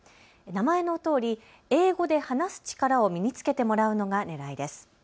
名前のとおり英語で話す力を身につけてもらうのがねらいです。